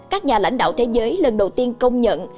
các nhà lãnh đạo thế giới lần đầu tiên công nhận